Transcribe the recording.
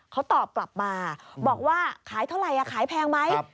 เขาตอบกลับมาบอกว่าขายเท่าไหร่ขายแพงไหม